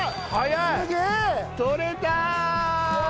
取れたー！